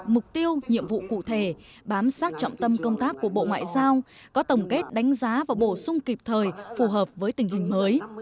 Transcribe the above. mục tiêu nhiệm vụ cụ thể bám sát trọng tâm công tác của bộ ngoại giao có tổng kết đánh giá và bổ sung kịp thời phù hợp với tình hình mới